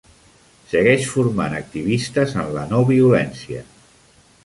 Segueix formant activistes en la no-violència.